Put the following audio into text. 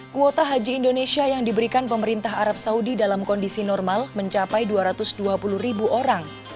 kuota haji indonesia yang diberikan pemerintah arab saudi dalam kondisi normal mencapai dua ratus dua puluh ribu orang